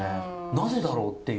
なぜだろうっていう。